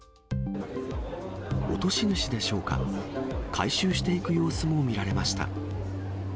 落とし主でしょうか、回収していく様子も見られました。